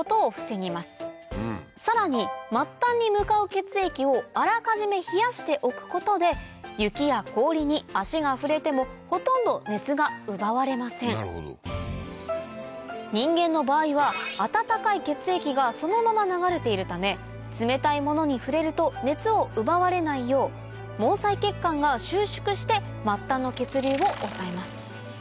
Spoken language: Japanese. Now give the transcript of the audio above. さらに末端に向かう血液をあらかじめ冷やしておくことで雪や氷に足が触れてもほとんど熱が奪われません人間の場合は温かい血液がそのまま流れているため冷たいものに触れると熱を奪われないよう毛細血管が収縮して末端の血流を抑えます